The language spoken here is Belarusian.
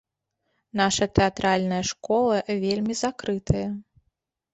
Наша тэатральная школа вельмі закрытая.